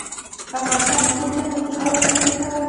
افغانستان کې کوچیان د نن او راتلونکي لپاره ارزښت لري.